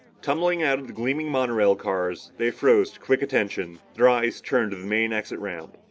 Tumbling out of the gleaming monorail cars, they froze to quick attention, their eyes turned to the main exit ramp.